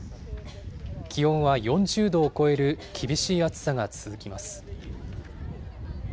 気温は４０度を超える厳しい暑さが続きます。